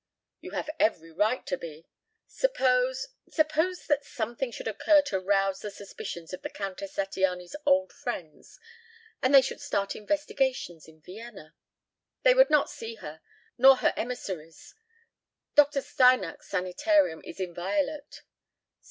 "You have every right to be. Suppose suppose that something should occur to rouse the suspicions of the Countess Zattiany's old friends and they should start investigations in Vienna?" "They would not see her nor their emissaries. Dr. Steinach's sanitarium is inviolate."